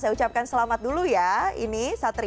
saya ucapkan selamat dulu ya ini satria